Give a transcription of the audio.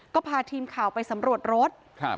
ก็พาทีมข่าวไปสำรวจรถครับ